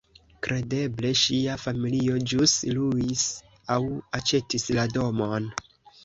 Kredeble ŝia familio ĵus luis aŭ aĉetis la domon.